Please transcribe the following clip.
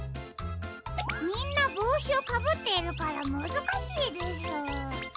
みんなぼうしをかぶっているからむずかしいです。